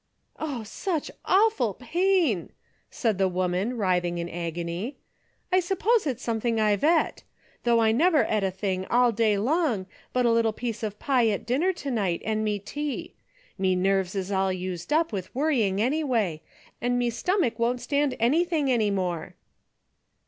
" Oh, such awful pain !" said the woman, writhing in agony, " I suppose it's something I've et. Though I never et a thing, all day long, but a little piece of pie at dinner to night and me tea. Me nerves is all used up witJi worrying anyway, and me stomach won't stand anything any more."